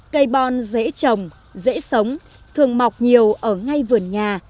cây bon dễ trồng dễ sống thường mọc nhiều ở ngay vườn nhà